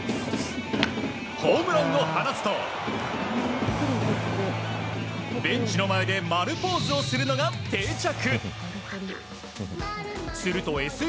ホームランを放つとベンチの前でマルポーズをするのが定着。